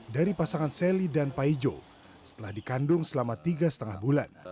dari pasangan sally dan pak ijo setelah dikandung selama tiga setengah bulan